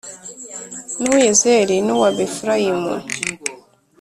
n’uw’i Yezerēli n’uw’Abefurayimu